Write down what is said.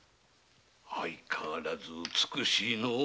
相変わらず美しいのう。